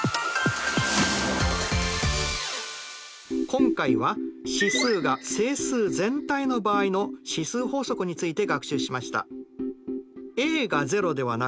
今回は指数が整数全体の場合の指数法則について学習しました。